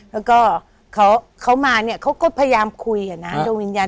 แล้วก็เขามาเนี่ยเขาก็พยายามคุยอ่ะนะดวงวิญญาณ